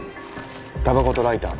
たばことライター。